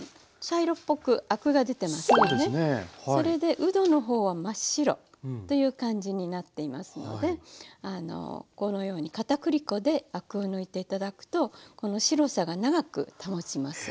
それでうどの方は真っ白という感じになっていますのであのこのようにかたくり粉でアクを抜いて頂くとこの白さが長く保ちます。